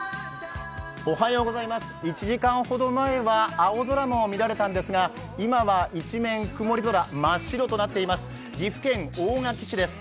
１時間ほど前は青空も見られたんですが今は一面曇り空、真っ白となっています岐阜県大垣市です。